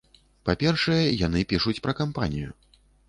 Па-першае, яны пішуць пра кампанію.